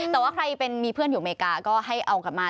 แต่ว่าใครเป็นมีเพื่อนอยู่อเมริกาก็ให้เอากลับมา